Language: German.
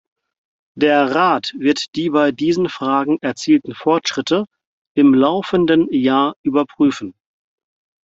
Der Rat wird die bei diesen Fragen erzielten Fortschritte im laufenden Jahr überprüfen.